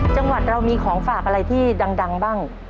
จังหวัดเรามีของฝากอะไรที่ดังบ้าง